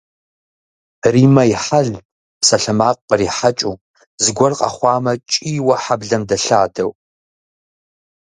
Риммэ и хьэлт псалъэмакъ кърихьэкӏыу, зыгуэр къэхъуамэ кӏийуэ хьэблэм дэлъадэу.